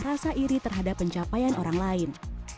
rasa iri terhadap pencapaian orang lain